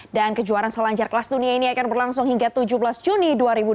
dan kejuaran selanjar kelas dunia ini akan berlangsung hingga tujuh belas juni dua ribu dua puluh dua